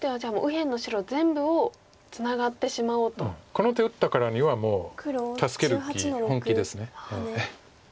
この手打ったからにはもう助ける気本気です。